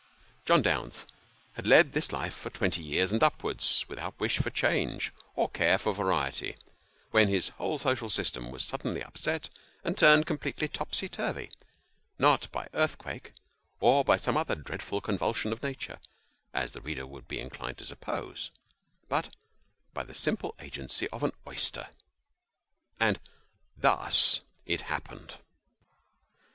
John Dounce had led this life for twenty years and upwards, without wish for change, or care for variety, when his whole social system was suddenly upset, and turned completely topsy turvy not by an earthquake, or some other dreadful convulsion of nature, as the reader would be inclined to suppose, but by the simple agency of an oyster ; and thus it happened.